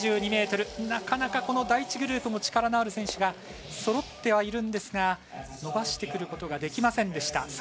なかなか、この第１グループも力のある選手がそろってはいるんですが伸ばしてくることができませんでした。